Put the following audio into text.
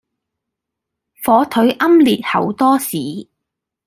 火腿奄列厚多士